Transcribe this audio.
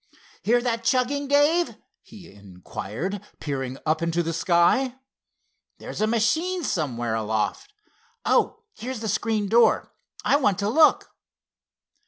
"Hear that chugging, Dave?" he inquired, peering up into the sky. "There's a machine somewhere aloft. Oh, here's the screen door! I want to look.